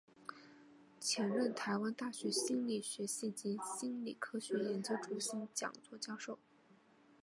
曾任台湾大学心理学系及心理科学研究中心讲座教授。